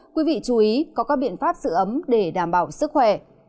quý vị chú ý có các biện pháp giữ ấm để đảm bảo sức khỏe